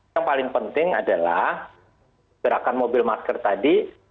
yang paling penting adalah gerakan mobil masker tadi